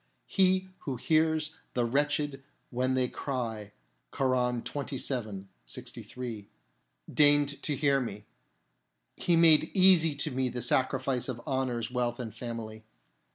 " He who hears the wretched when they cry " .J (Koran, xxvii. 63) deigned to hear me ; He made easy to me the sacrifice of honours, wealth, and family.